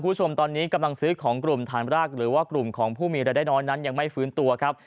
คุณผู้ชมตอนนี้กำลังซื้อของกลุ่มฐานรากหรือว่ากลุ่มของผู้มีรายได้น้อยนั้นยังไม่ฟื้นตัวครับ